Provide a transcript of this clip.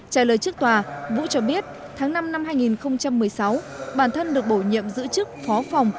trả lời trước tòa vũ cho biết tháng năm năm hai nghìn một mươi sáu bản thân được bổ nhiệm giữ chức phó phòng